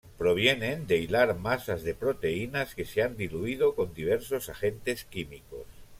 Provienen de hilar masas de proteínas que se han diluido con diversos agentes químicos.